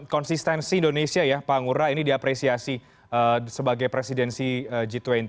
konsistensi indonesia ya pak ngura ini diapresiasi sebagai presidensi g dua puluh